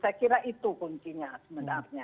saya kira itu kuncinya sebenarnya